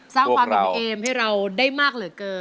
สร้างความเป็นเอมให้เราได้มากเหลือเกิน